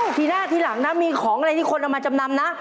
ทีหน้าทีหลังนะมีของอะไรที่คนเอามาจำนำนะ